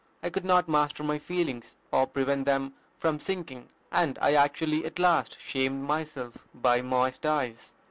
I could not master my feelings, or prevent them from sinking, and I actually at last shamed myself by moist eyes."